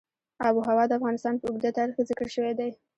آب وهوا د افغانستان په اوږده تاریخ کې ذکر شوی دی.